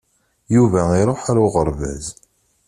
Yuba iṛuḥ ar uɣerbaz.